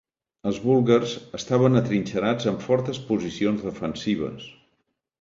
Els búlgars estaven atrinxerats en fortes posicions defensives.